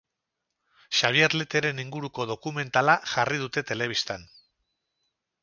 Xabier Leteren inguruko dokumentala jarri dute telebistan.